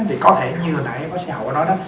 thì có thể như hồi nãy có sĩ hậu đã nói đó